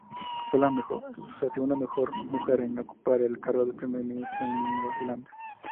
Fue la segunda mujer en ocupar el cargo de primer ministro de Nueva Zelanda.